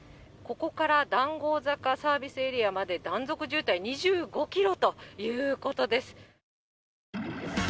ここから談合坂サービスエリアまで断続渋滞２５キロということです。